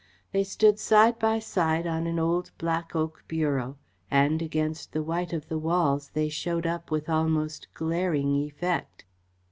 They stood side by side on an old black oak bureau, and against the white of the walls they showed up with almost glaring effect.